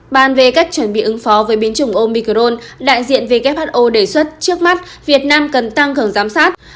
bàn về cách chuẩn bị ứng phó với biến chủng omicron đại diện who đề xuất trước mắt việt nam cần tăng cường giám sát